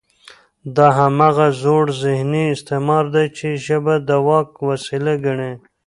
دا هماغه زوړ ذهني استعمار دی، چې ژبه د واک وسیله ګڼي